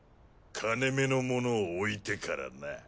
金目の物を置いてからな。